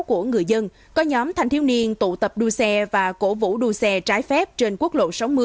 của người dân có nhóm thanh thiếu niên tụ tập đua xe và cổ vũ đua xe trái phép trên quốc lộ sáu mươi